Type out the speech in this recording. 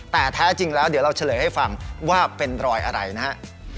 แต่แท้จริงแล้วเดี๋ยวเราเฉลยให้ฟังว่าเป็นรอยอะไรนะฮะ